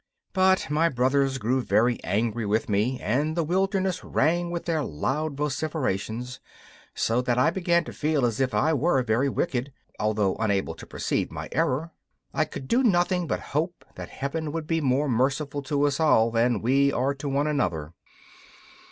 But my brothers grew very angry with me, and the wilderness rang with their loud vociferations, so that I began to feel as if I were very wicked, although unable to perceive my error. I could do nothing but hope that Heaven would be more merciful to us all than we are to one another.